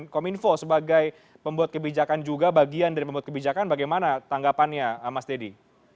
kominfo sebagai pembuat kebijakan juga bagian dari pembuat kebijakan bagaimana tanggapannya mas deddy